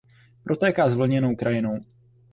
Protéká zvlněnou krajinou.